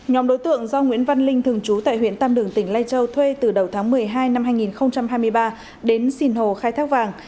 nhóm đối tượng do nguyễn văn linh thường trú tại huyện tam đường tỉnh lai châu thuê từ đầu tháng một mươi hai năm hai nghìn hai mươi ba đến sinh hồ khai thác vàng